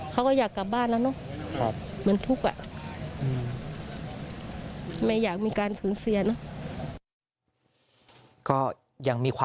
เขาก็อยากกลับบ้านแล้วเนอะ